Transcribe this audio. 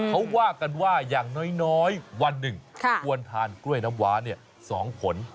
เขาว่ากันว่าอย่างน้อยวันหนึ่งควรทานกล้วยน้ำว้า๒ผล